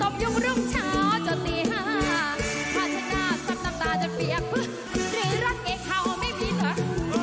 ผ้าใช้หน้าซ้ำน้ำตาจะเปียกหื้อหรือรักเองเขาไม่มีเหรอ